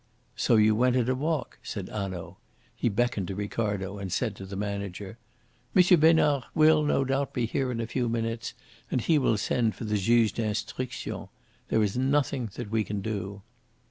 "So you went at a walk," said Hanaud. He beckoned to Ricardo, and said to the manager: "M. Besnard will, no doubt, be here in a few minutes, and he will send for the Juge d'Instruction. There is nothing that we can do."